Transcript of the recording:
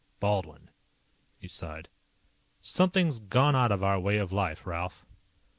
Baldwin." He sighed. "Something's gone out of our way of life, Ralph."